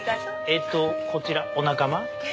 えっとこちらお仲間？